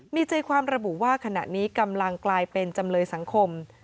มีใจความระบุว่าขณะนี้กำลังกลายเป็นจำเลยสังคม